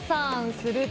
すると。